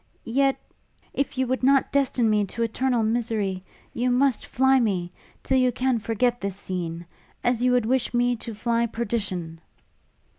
yet if you would not destine me to eternal misery, you must fly me till you can forget this scene as you would wish me to fly perdition!'